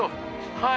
はい。